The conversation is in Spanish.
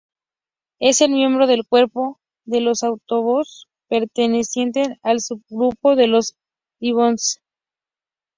Él es miembro del cuerpo de los Autobots perteneciente al sub-grupo de los Dinobots.